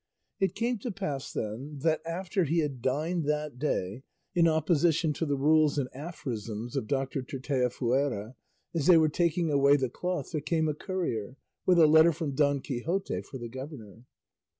It came to pass, then, that after he had dined that day, in opposition to the rules and aphorisms of Doctor Tirteafuera, as they were taking away the cloth there came a courier with a letter from Don Quixote for the governor.